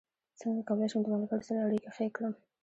څنګه کولی شم د ملګرو سره اړیکې ښې کړم